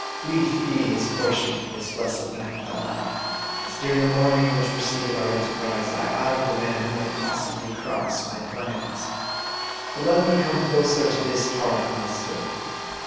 Lethe be his portion this blessed night, thought I, as during the morning which preceded our enterprise, I eyed the man who might possibly cross my plans. But let me come closer to this part of my story.